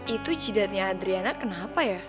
itu cidarnya adriana kenapa ya